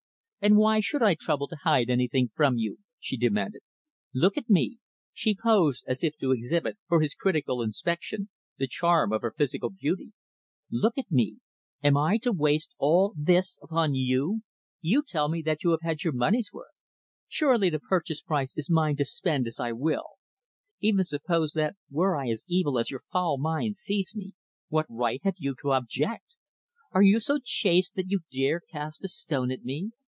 "And why should I trouble to hide anything from you?" she demanded. "Look at me" she posed as if to exhibit for his critical inspection the charm of her physical beauty "Look at me; am I to waste all this upon you? You tell me that you have had your money's worth surely, the purchase price is mine to spend as I will. Even suppose that I were as evil as your foul mind sees me, what right have you to object? Are you so chaste that you dare cast a stone at me?